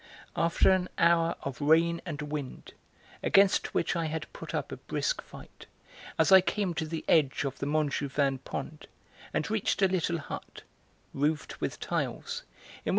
After an hour of rain and wind, against which I had put up a brisk fight, as I came to the edge of the Montjouvain pond, and reached a little hut, roofed with tiles, in which M.